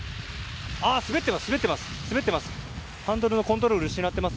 滑っています、滑っています。